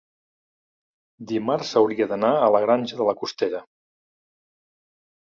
Dimarts hauria d'anar a la Granja de la Costera.